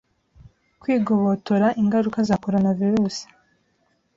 kwigobotora ingaruka za Coronavirus